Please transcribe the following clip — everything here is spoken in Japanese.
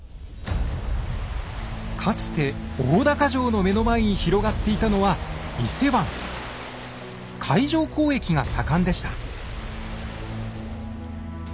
かつて大高城の目の前に広がっていたのは海上交易が盛んでした。